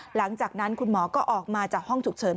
หลังจากนั้นคุณหมอก็ออกมาจากห้องฉุกเฉิน